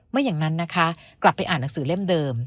ไม่อย่างนั้นนะคะกลับไปอ่านหนังสือเล่มเดิม